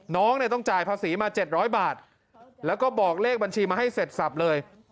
น้องเนี่ยต้องจ่ายภาษีมา๗๐๐บาทแล้วก็บอกเลขบัญชีมาให้เสร็จสับเลย